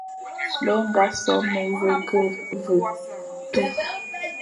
Be ñga sô memveghe ve tu,